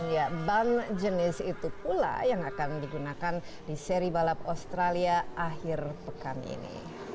ya ban jenis itu pula yang akan digunakan di seri balap australia akhir pekan ini